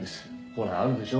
ほらあるでしょ？